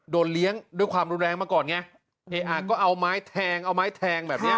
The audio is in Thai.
เลี้ยงด้วยความรุนแรงมาก่อนไงเออะก็เอาไม้แทงเอาไม้แทงแบบเนี้ย